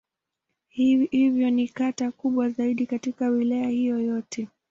Hivyo ni kata kubwa zaidi katika Wilaya hiyo yote.